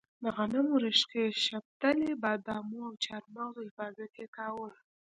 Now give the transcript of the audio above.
د غنمو، رشقې، شپتلې، بادامو او چارمغزو حفاظت یې کاوه.